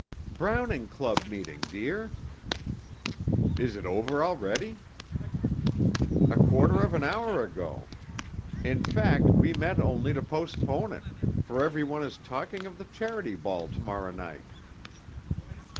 "Browning Club meeting, dear." "It is over already?" "A quarter of an hour ago. In fact, we met only to postpone it, for every one is talking of the Charity Ball to morrow night."